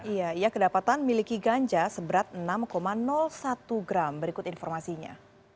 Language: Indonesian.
iya ia kedapatan miliki ganja seberat enam satu gram berikut informasinya